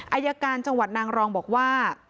อายการจังหวัดนางรองบอกว่า